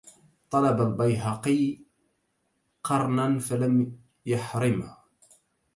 طلب البيهقي قرنا فلم يحرمه